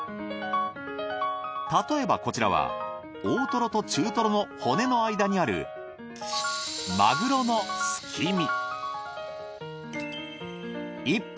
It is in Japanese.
例えばこちらは大トロと中トロの骨の間にあるマグロのすきみ。